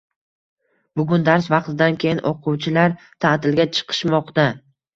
Bugun dars vaqtidan keyin o'quvchilar ta'tilga chiqishmoqda